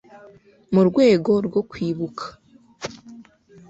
mu rwego rwo kwibuka